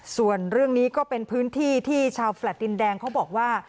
ส่วนเรื่องนี้ก็เป็นพื้นที่ที่ชาวแฟลต์ดินแดงเขาบอกว่า